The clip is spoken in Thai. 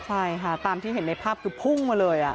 ใช่ค่ะตามที่เห็นในภาพคือพุ่งมาเลย